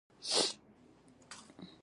ښایست د رښتینې مینې عکس دی